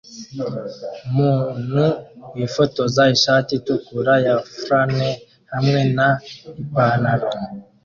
Umuntu yifotoza ishati itukura ya flannel hamwe na Ipanaro